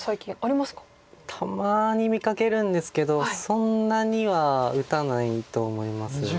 たまに見かけるんですけどそんなには打たないと思います。